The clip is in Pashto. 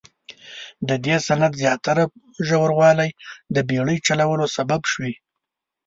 د دې سیند زیات ژوروالی د بیړۍ چلولو سبب شوي.